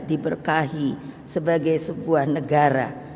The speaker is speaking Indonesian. diberkahi sebagai sebuah negara